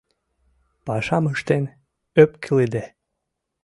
пашам ыштен ӧпкелыде.